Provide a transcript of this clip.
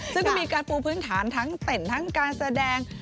ซึ่งก็มีการปูพื้นฐานทั้งเต้นทั้งการแสดง